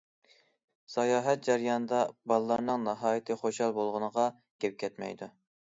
ساياھەت جەريانىدا بالىلارنىڭ ناھايىتى خۇشال بولغىنىغا گەپ كەتمەيدۇ.